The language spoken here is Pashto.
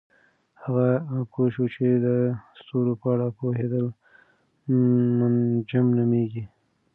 هغه پوه چې د ستورو په اړه پوهیږي منجم نومیږي.